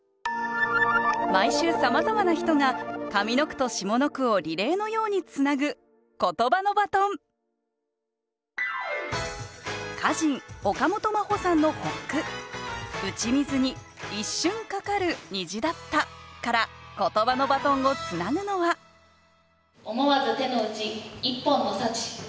毎週さまざまな人が上の句と下の句をリレーのようにつなぐ歌人岡本真帆さんの発句「打ち水に一瞬架かる虹だった」からことばのバトンをつなぐのは「思わず手の内一本の幸」。